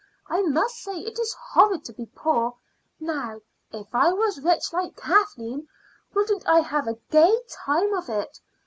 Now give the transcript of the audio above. I must say it is horrid to be poor. Now, if I was rich like Kathleen, wouldn't I have a gay time of it?